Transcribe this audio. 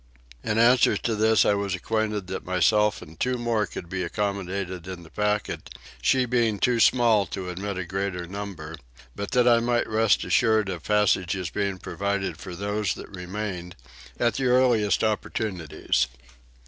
In answer to this I was acquainted that myself and two more could be accommodated in the packet, she being too small to admit a greater number; but that I might rest assured of passages being provided for those that remained by the earliest opportunities.